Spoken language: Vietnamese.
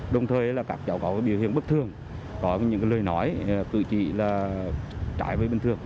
đồng thời là các cháu có biểu hiện bất thường có những lời nói cử chỉ là trải về bình thường